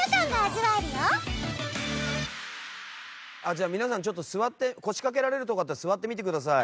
じゃあ皆さんちょっと座って腰掛けられるとこあったら座ってみてください。